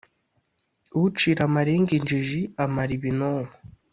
Ucira amarenga injiji ,amara ibinonko